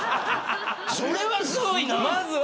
それはすごい。